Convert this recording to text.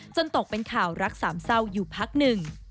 ตกเป็นข่าวรักสามเศร้าอยู่พักหนึ่ง